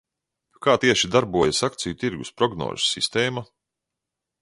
Kā tieši darbojas akciju tirgus prognožu sistēma?